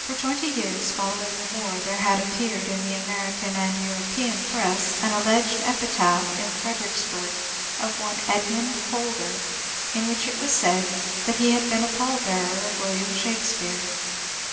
For twenty years following the war there had appeared in the American and European press an alleged epitaph in Fredericksburg of one Edmond Holder, in which it was said that he had been a pall bearer of William Shake speare.